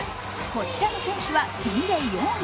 こちらの選手は組で４位。